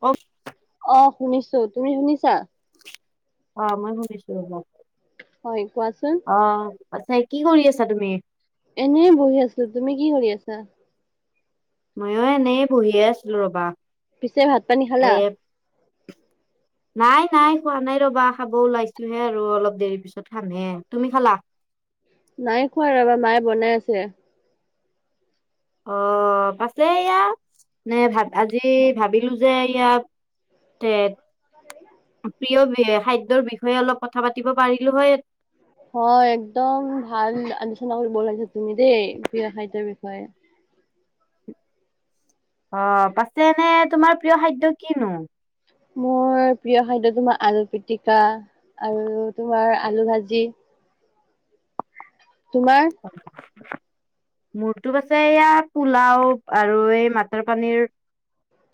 অ [inaudible] অ শুনিছো তুমি শুনিছা! অ মই শুনিছো ৰব। হয় কোৱাচোন। অ আছে, কি কৰি আছা তুমি? এনেই বহি আছো তুমি কি কৰি আছা? ময়ো এনেই বহিয়ে আছিলো ৰবা। পিছে ভাত পানী খালা! [unintelligible] নাই নাই খোৱা নাই ৰবা খাব ওলাইছোহে আৰু অলপ দেৰি পিছত খাম হে তুমি খালা। নাই খোৱা ৰবা মায়ে বনাই আছে। অ পাছে এইয়া আজি ভাবিলো যে ইয়াত। তেত প্ৰিয় বি খাদ্যৰ বিষয়ে অলপ কথা পাতিব পাৰিলো হয়। হয় একদম ভাল আলোচনা কৰিব ওলাইছা তুমি দেই প্ৰিয় খাদ্যয়ৰ বিষয়ে। অ পাছে এনেই তোমাৰ প্ৰিয় খাদ্য কিনো! মোৰ প্ৰিয় খাদ্য তোমাৰ আলু পিতিকা আৰু তোমাৰ আলু ভাজি। তোমাৰ! [inaudible] মূৰটো আছে ইয়াত পোলাও আৰু এই মাটৰ পানীৰ।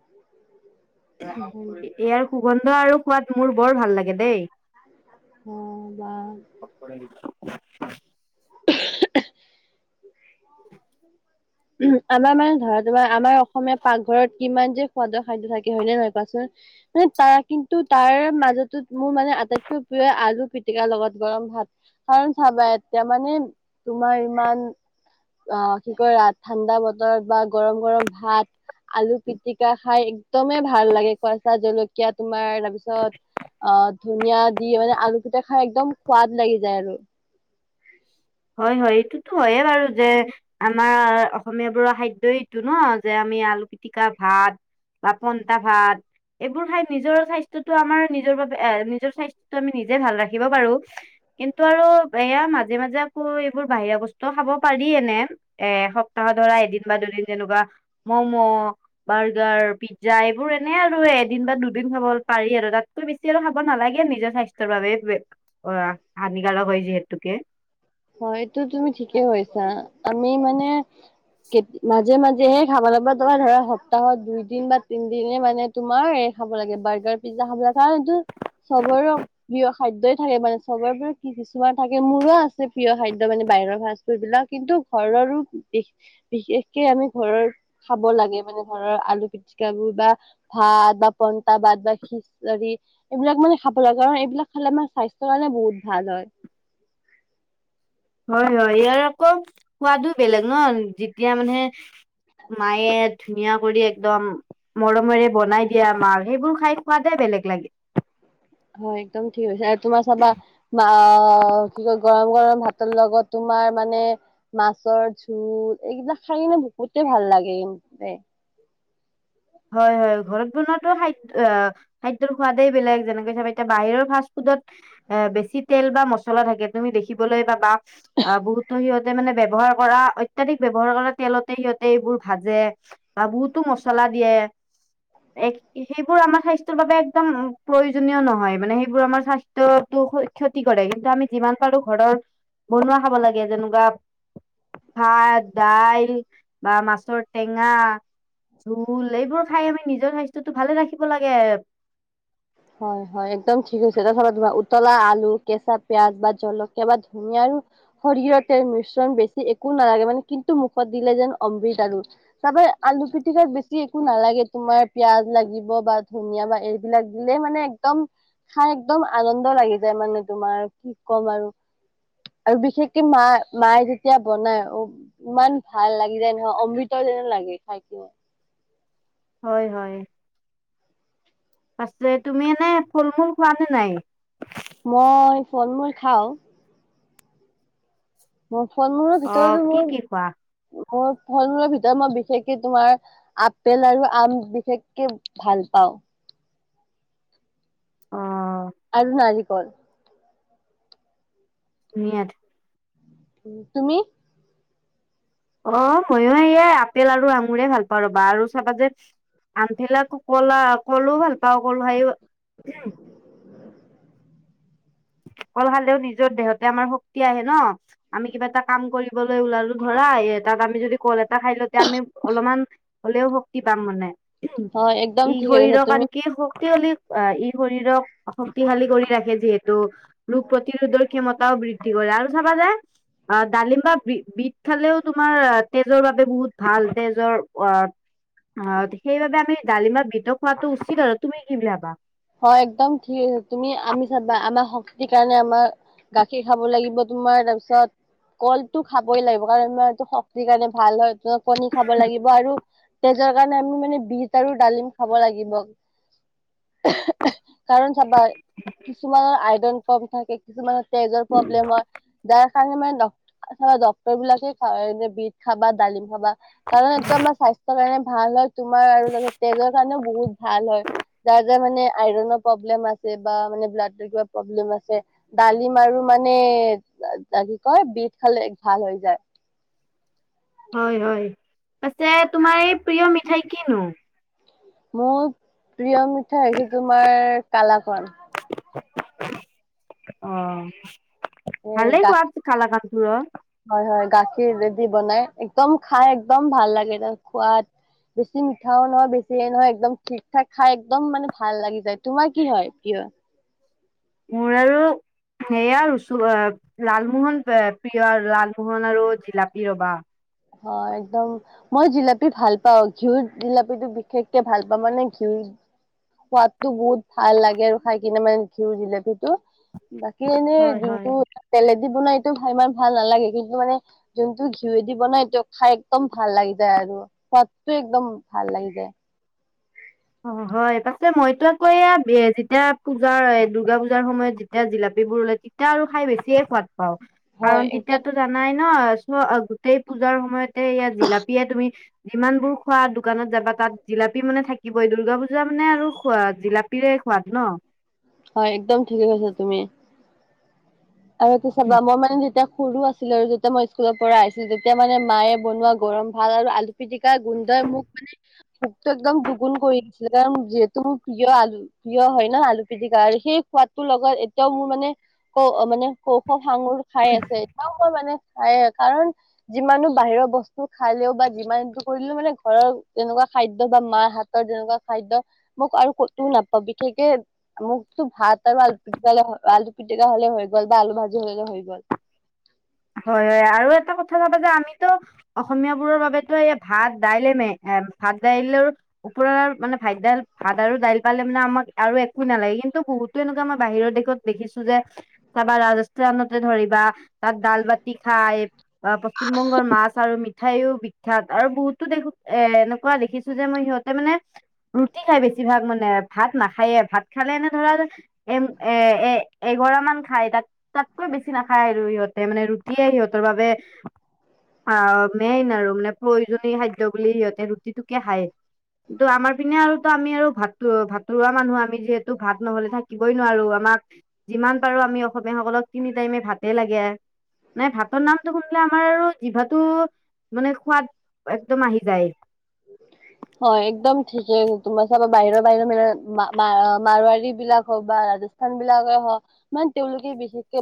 [unintelligible] [inaudible] ইয়াৰ সুগন্ধ আৰু সোৱাত মোৰ বৰ ভাল লাগে দেই। [unintelligible] [unintelligible] আমাৰ মানে ধৰা তোমাৰ অসমীয়া পাকঘৰত। কিমান যে সোৱাদৰ খাদ্য থাকে হয়নে নহয় কোৱাচোন। মানে তাৰ কিন্তু, তাৰ মাজতে মোৰ মানে আটাইতকৈ প্ৰিয় আলু পিটিকা লগত গৰম ভাত। কাৰণ চাবা এতিয়া, মানে তোমাৰ ইমান অ', কি কয়, ঠাণ্ডা বতৰত বা গৰম গৰম ভাত আলু পিটিকা খায় একদমে ভাল লাগে, কেচাঁ জলকীয়া তোমাৰ তাৰপিছত, অঁ ধনীয়া দি মানে আলু কেইটা খায় একদম সোৱাদ লাগি যায় আৰু। হয়, হয়, এইটোতো হয়ে বাৰু দে আমাৰ, অসমীয়া বোৰৰ খাদ্য এইটো ন', যে আমি আলু পিটিকা ভাত বা পন্তা ভাত এইবোৰ খায় নিজৰ স্বাস্থ্যটো আমাৰ নিজৰ বাবে এ, নিজৰ স্বাস্থ্যটো আমি নিজে ভাল ৰাখিব পাৰো। কিন্তু আৰু এইয়া মাজে, মাজে আকৌ এইবোৰ, বাহিৰা বস্তু খাব পাৰি এনে এসপ্তাহত ধৰা এদিন বা দুদিন তেনেকুৱা ম'ম' বাৰ্গাৰ, পিজ্জা এইবোৰ এনে আৰু এদিন বা দুদিন খাব পাৰি আৰু তাত বেছি আৰু খাব নালাগে, নিজৰ স্বাস্থ্যৰ বাবে অ হানিকাৰক হয় যিহেতুকে। হয় এইটো তুমি ঠিকে কৈছা, আমি মানে কেত মাজে, মাজেহে খাব লাগিব, তোমাৰ ধৰা সপ্তাহত দুই দিন বা তিনদিনে মানে তোমাৰ এ খাব লাগে, বাৰ্গাৰ, পিজ্জা খাব লাগে, কাৰণটো চবৰে প্ৰিয় খাদ্যয়েই থাকে মানে, চবৰে পৰা কি, কিছুমান থাকে, মোৰো আছে প্ৰিয় খাদ্য মানে বাহিৰৰ ফাষ্টফুড বিলাক, কিন্তু ঘৰৰো বি বিশেষকে আমি ঘৰৰ খাব লাগে মানে ঘৰৰ, আলু পিটিকাবোৰ বা ভাত বা পণ্টা ভাত বা খিচীৰি এইবিলাক মানে খাব লাগে, কাৰণ এইবিলাক খালে আমাৰ স্বাস্থ্যৰ কাৰণে বহুত ভাল হয়। হয়, হয়, ইয়াৰ আকৌ সোৱাদো বেলেগ ন', যেতিয়া মানে, মায়ে ধুনীয়া কৰি একদম মৰমেৰে বনাই দিয়া আমাৰ, সেইবোৰ খায় সোৱাদে বেলেগ লাগে। হয়, একদম ঠিক কৈছা, আৰু তোমাৰ চাবা বা কি কয় গৰম, গৰম ভাতৰ লগত তোমাৰ মানে মাছৰ জোল এইবিলাক খায় কিনে বহুতে ভাল লাগে কিন্তু দেই। হয়, হয়, ঘৰত বনোৱাটো খাদ খাদ্যৰ সোৱাদেই বেলেগ, যেনেকে চাবা এতিয়া বাহিৰৰ ফাষ্টফুডত এ বেছি তেল বা মচলা থাকে তুমি দেখিবলৈ পাবা। আ, বহুতো সিহঁতে মানে ব্যৱহাৰ কৰা অই অত্যাধিক ব্যৱহাৰ কৰা তেলতে সিহঁতে এইবোৰ ভাজে বা বহুতো মচলা দিয়ে। এক সেইবোৰ আমাৰ স্বাস্থ্যৰ বাবে একদম প্ৰয়োজনীয় নহয়, মানে সেইবোৰ আমাৰ স্বাস্থ্যটো হৈ ক্ষতি কৰে, কিন্তু আমি যিমান পাৰো ঘৰৰ বনোৱা খাব লাগে, যেনেকুৱা ভাত, দাইল বা মাছৰ টেঙা জোল, এইবোৰ খায় আমি নিজৰ স্বাস্থ্যটো ভালে ৰাখিব লাগে। হয়, হয়, একদম ঠিক কৈছে, এতিয়া চাবা তোমাৰ উতলা আলু, কেঁচা পিয়াজ বা জলকীয়া বা ধনীয়াইও সৰিয়হৰ তেল মিশ্ৰণ বেছি একো নালাগে, মানে কিন্তু মুখত দিলে যেন অমৃত আৰু। তাৰপৰা আলু পিটিকাত বেছি একো নালাগে, তোমাৰ পিয়াজ লাগিব বা ধনীয়া বা এইবিলাক দিলে মানে একদম, খায় একদম আনন্দ লাগি যায় মানে তোমাৰ, কি ক'ম আৰু! আৰু বিশেষকে মা, মায়ে যেতিয়া বনাই অ' ইমান ভাল লাগি যায় নহয়, অমৃতৰ যেন লাগে খায় কিনে। হয়, হয়, পাছে তুমি এনে ফল-মূল খোৱা নে নাই? মই ফল মূল খাওঁ। মোৰ ফল মূলৰ অ ভিতৰতো কি মোৰ, কি খোৱা মোৰ ফল মূলৰ ভিতৰত মই বিশেষকে তোমাৰ আপেল আৰু আম বিশেষকে ভাল পাওঁ। অ'। [unintelligible] গ'ল। মুঠ উম, তুমি? অ', মইয়ো এইয়া আপেল আৰু আঙুৰে ভাল পাওঁ ৰ'বা আৰু চাবা যে আনভিলাক কলা কলো ভাল পাওঁ, কল খাই কল খালেও নিজৰ দেহতে আমাৰ শক্তি আহে ন। আমি কিবা এটা কাম কৰিবলৈ ওলালোঁ ধৰা তাত আমি যদি কল এটা খাই লওঁ তেতিয়া আমি অলপমান হ'লেও শক্তি পাম মানে। হয় একদম ই ঠিকে কৈছা শৰীৰৰ তুমি কাৰনে কি শক্তিশালী অ', ই শৰীৰক শক্তিশালী কৰি ৰাখে যিহে তু ৰোগ প্ৰতিৰোধৰ ক্ষমতাও বৃদ্ধি কৰে। আৰু চাবা যায় অ', ডালিম বা বি-বিট খালেও তোমাৰ তেজৰ বাবে বহুত ভাল। তেজৰ অ' [unintelligible] সেইবাবে আমি ডালিম বা বিট খোৱাটো উচিত আৰুৱ তুমি কি বুলি ভাবা? হয়, একদম ঠিক, তুমি আনি চাবা, আমা শক্তি কাৰণে আমাৰ গাখীৰ খাব লাগিব। তোমাৰ তাৰপিছত কলটো খাবই লাগিব কাৰণ [unintelligible] এইটো শক্তিৰ কাৰণে ভাল হয়। কণী খাব লাগিব আৰু তেজৰ কাৰণে আমি মানে বিট আৰু ডালিম খাব লাগিব। কাৰণ চাবা কিছুমানৰ আইৰন কম থাকে, কিছুমানত তেজৰ প্ৰব্লেম হয়। [unintelligible] কাৰণে মানে ডক্ত-ডক্তৰবিলাকে খা এ বিট খাবা, ডালিম খাবা কাৰণ এইটো আমাৰ স্বাস্থ্যৰ কাৰণে ভাল হয়। তোমাৰ আৰু জানা তেজৰ কাৰণেও বহুত ভাল হয়। যাৰ যাৰ মানে আইৰন প্ৰব্লেম আছে বা মানে ব্লাডৰ কিবা প্ৰব্লেম আছে ডালিম আৰু মানে কি কয় বিট খালে ভাল হৈ যায়। হয়, হয়। পাছে তোমাৰ এই প্ৰিয় মিঠাই কিনো? মোৰ প্ৰিয় মিঠাই হৈছে তোমাৰ কালাকণ। অ', ভালেই এ সোৱাদ কালাকাণটোৰৰ। হয়, হয়। গাখীৰেদি বনাই একদম খাই একদম ভাল লাগে তাৰ সোৱাদ। বেছি মিঠাও নহয়, বেছিয়ে এই নহয়, একদম ঠিক-ঠাক খাই একদম মানে ভাল লাগি যায়। তোমাৰ কি হয় প্ৰিয়? মোৰ আৰু সেয়া ৰচো-আ লালমোহন প্ৰিয় আৰু লালমোহন আৰু জিলাপি ৰ'বা হয়, একদম মই জিলাপি ভাল পাওঁ। ঘিউ জিলাপিটো বিশেষকে ভাল পাওঁ, মানে ঘিউ সোৱাদটো বহুত ভাল লাগে আৰু খাই কিনে মানে ঘিউ জিলপিটো। বাকী এনেই হয় হয়। যোনটো তেলেদি বনাই এইটো ইমান ভাল নালাগে, কিন্তু মানে যোনটো ঘীউদি দি বনাই এইটো একদম খাই একদম ভাল লাগি যায় আৰু। সোৱাদটো একদম ভাল লাগি যায়। অ', হয়। পাছে মইতো আকৌ এইয়া বি-যেতিয়া পূজাৰ-এ দুৰ্গা পূজাৰ সময়ত যেতিয়া জিলাপীবোৰ ওলাই তে তেতিয়া আৰু খাই বেছিয়ে সোৱাদ পাওঁ। কাৰণ হয় একদম তেতিয়াতো জানাই ন চ গোটেই পূজাৰ সময়তে ইয়াত জিলাপিয়ে তুমি যিমানবোৰ খোৱা দোকানত যাবা তাত জিলাপি মানে থাক থাকিবই। দুৰ্গা পূজা মানে আৰু খোৱা জিলাপিৰে সোৱাদ ন। হয়, একদম ঠিকে কৈছা তুমি। আৰু এইটো চাবা মই মানে যেতিয়া সৰু আছিলোঁ আৰু যে তিয়া মই স্কুলৰ পৰা আহিছিলোঁ, তেতিয়া মানে মায়ে বনোৱা গৰম ভাত আৰু আলু পিটিকা গোন্ধই মোক মানে ভোকতো একদম দুগুণ কৰি দিছিলে কাৰণ যিহেতু মোৰ প্ৰিয় আলু। প্ৰিয় হয় ন আলু পিটিকা আৰু সেই সোৱাদটোৰ লগত এতিয়াও মোৰ মানে ক মানে কৌশল সাঙুৰ খাই আছে। এতিয়াও মই মানে খাই কাৰণ যিমানো বাহিৰৰ বস্তু খালেও বা যিমানটো কৰিলেও মানে ঘৰৰ এনেকুৱা খাদ্য বা মাৰ হাত ৰ যেনেকুৱা খাদ্য মোক আৰু কতোও নাপাওঁ বিশেষকে মোকতো ভাত আৰু আলু পিটিকা আলু পিটিকা হলে হৈ গল বা আলু ভাজি হলেও হৈ গ'ল। হয় হয় আৰু এটা কথা চাবা যে আমিতো অসমীয়া বোৰৰ বাবেতো এই ভাত দাইলে মেইন, এ ভাত দাইলৰ ওপৰৰ মানে ভাত ভাত আৰু দাইল পালে মানে আমাক আৰু একো নালাগে কিন্তু বহুত যেনেকুৱা মই বাহিৰৰ দেশত দেখিছো যে ৰাজস্থানতে ধৰিবা তাত দাল বাতি খাই অ পশ্চিম বংগৰ মাছ আৰু মিঠাই ও বিখ্যাত আৰু বহুতো দেখো এ এনেকুৱা দেখিছো যে মই সিহঁতে মানে ৰুটি খাই বেছিভাগ মানে ভাত নাখায়ে ভাত খালে এনে ধৰা এ এ এ এগৰা মান খায় তাত তাতকৈ বেছি নাখায় আৰু সিহঁতে মানে ৰুটিয়ে সিহঁতৰ বাবে অ মেইন আৰু মানে প্ৰয়োজনীয় খাদ্য বুলি সিহঁতে ৰুটিটোকে খায়। তো আমাৰ পিনে আৰু তো আমি আৰু ভাত ভাতৰুৱা মানুহ আমি যিহেতু ভাত নহলে থাকিবই নোৱাৰো আমাক যিমান পাৰো আমি অসমীয়াসকলক তিনি টাইমে ভাতে লাগে। নাই ভাতৰ নামটো শুনিলে আমাৰ আৰু জিভাটো মানে সোৱাদ একদম আহি যায়। [inaudible] হয় একদম ঠিকেই তোমাৰ বাহিৰৰ বাহিৰ মাৰৱাৰি বিলাক হওক বা সান বিলাকে হওক ইমান তেওঁলোকে বেছি বিশেষকে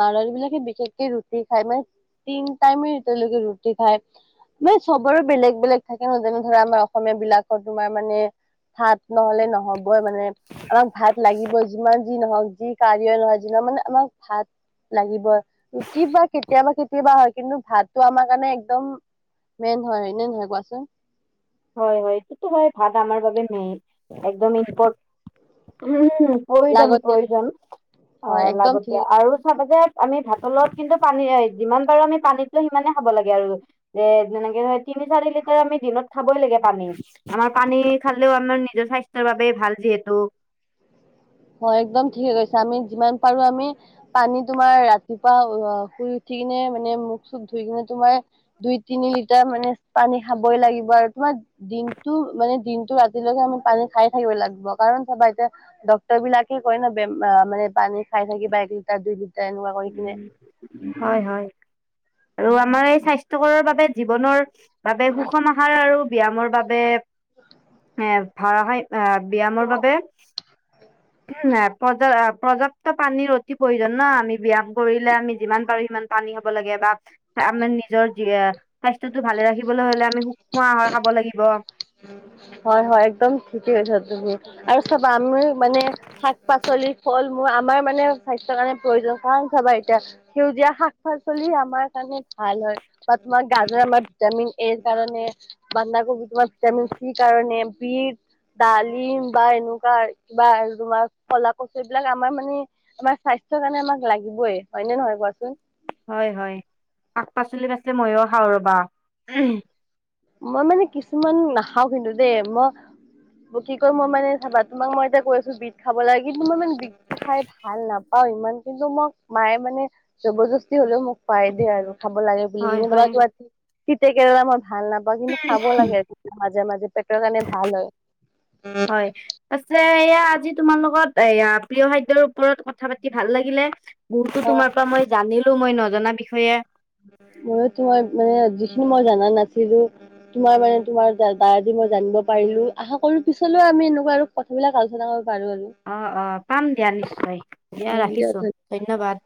মৰৱাৰী বিলাকে বিশেষকে ৰুটি খাই মানে তিনি টাইমে তেওঁলোকে ৰুটি ৰুটি খায়, মানে চবৰে বেলেগ বেলেগ ন যেনে আমাৰ অসমীয়া বিলাকৰ তোমাৰ মানে ভাত নহলে নহবই মানে আমাক ভাত লাগিবই যিমান যি নহওক যি কাৰ্য নহয় যিটো মানে আমাক ভাত লাগিবই। ৰুটি বা কেতিয়াবা কেতিয়াবা হয় কিন্তু ভাতো আমাক মানে একদম মেইন হয় নে নহয় কোৱাচোন? হয় হয় সেইটোটো হয় ভাত আমাৰ বাবে মেইন একদম ইম্পৰ প্ৰয়োজন লাগতিয়াল প্ৰয়োজন অ হয় একদম লাগতে ঠিক আৰু চাব যে আমি ভাতৰ গলত কিন্তু পানী যিমান পাৰো আমি পানীটো সিমানে খাব লাগে আৰু। যে তেনেকে ধৰ তিনি চাৰি লিটাৰ আমি দিনত খাবই লাগে পানী, আমাৰ পানী খালেও আমাৰ নিজৰ স্বাস্থ্যৰ বাবেও ভাল যিহেতু। হয় একদম ঠিকে কৈছে আমি যিমান পাৰো আমি পানী তোমাৰ ৰাতিপুৱা শুই উঠি কিনে মানে মুখ চুখ ধুই কিনে তোমাৰ দুই তিনি লিটাৰ মানে পানী খাবই লাগিব আৰু তোমাৰ দিনটো মানে দিনটো আমি পানী খাই থাকিব লাগিব কাৰণ চাবা এতিয়া ডক্তৰ বিলাকে কয় ন বেমাৰ পানী খাই থাকিবা এক লিটাৰ দুই লিটাৰ এনেকুৱা কৰি কিনে। হয় হয় আৰু আমাৰ এই স্বা স্থ্যকৰৰ বাবে জীৱনৰ বাবে সুষম আহাৰ আৰু ব্যায়ামৰ বাবে এ ধৰা হয় আহ ব্যায়ামৰ বাবে প্ৰজা প্ৰজা প্ত পানীৰ অতি প্ৰয়োজন ন আমি ব্যায়াম কৰিলে আমি যিমান পাৰো সিমান পানী খাব লাগে বা আমাৰ নিজৰ স্বাস্থ্যটো ভালে ৰাখিবলৈ হলে আমি শুক্ষ্ম আহৰ খাব লাগিব। হয় হয় একদম ঠিকেই কৈছা তুমি আৰু চাবা আমি মানে শাক পাচলি ফল মূল আমাৰ মানে স্বাস্থ্যৰ কাৰণে প্ৰয়োজন। কাৰণ চাবা এতিয়া- সেউজীয়া শাক পাচলি আমাৰ কাৰণে ভাল হয়। বা তোমাৰ গাজৰ আমাৰ ভিটামিন এৰ কাৰণে বান্ধাকবি তোমাৰ- ভিটামিন চি ৰ কাৰণে বিত- ডালিম বা এনেকুৱা কিবা আৰু তোমাৰ কলা কছু এইবিলাক আমাৰ মানে- আমাৰ স্বাস্থ্যৰ কাৰণে আমাক লাগিবই, হয় নে নহয় কোৱাচোন? হয় হয়, শাক পাচলি পাছে মইয়ো খাওঁ ৰবা। মই মানে কিছুমান নাখাওঁ কিন্তু দেই, ম- কি কয় মই মানে চাবা তোমাক মই এতিয়া কৈ আছোঁ বিট খাব লাগে, কিন্তু মই মানে বিটটো খাই ভাল নাপ- পাওঁ ইমান কিন্তু মোক মায়ে মানে জবদস্তি হ'লেও মোক খোৱাই দিয়ে আৰু খাব লাগে- বুলি হয় কিনি। তাপা হয় তোমাৰ তিতা কেৰেলা মই ভাল নাপ- পাওঁ, কিন্তু খাব লাগে মাজে মাজে পেটৰ কাৰণে ভাল হয়। উম' হয় পাছে এইয়া আজি তোমাৰ লগত এয়া প্ৰিয় খাদ্যৰ ওপৰত কথ- থা পাতি ভাল লাগিলে, বহুতো অ' তোমাৰ পৰা মই জানিলোঁ মই নজনা বিষয়ে। মইয়ো তোমাৰ মানে যিখিনি মই জানা নাছিলোঁ- তোমাৰ মানে তোমাৰ দা দ্বাৰাই দি মই জানিব পাৰিলোঁ। আশা কৰোঁ পিছলৈও আমি এনেকুৱা আৰু- কথাবিলাক আলোচনা কৰিব পাৰোঁ আৰু। অ‍ঁ' অঁ' পাম দিয়া নিশ্চয়, দিয়া অ' দিয়ক ৰাখিছোঁ। ধন্যবাদ। ধন্যবাদ।